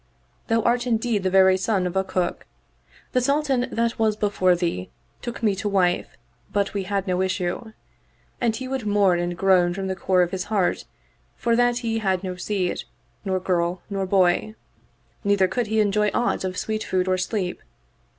Thou art indeed the very son of a cook. The Sultan that was before thee took me to wife but we had no issue ; and he would mourn and groan from the core of his heart for that he had no seed, nor girl nor boy; neither could he enjoy aught of sweet food or sleep.